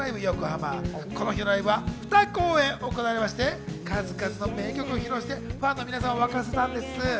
この日のライブは２公演行われまして、数々の名曲を披露して、ファンの皆さんを沸かせたんです。